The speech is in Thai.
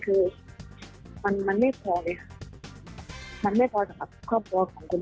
แต่สิ่งที่หนูอยากบอกให้ทุกคนรู้คุณ